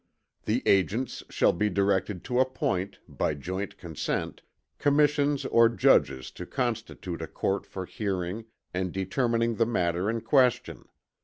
The agents shall be directed to appoint, by joint consent, commissions or judges to constitute a court for hearing and determining the matter in question.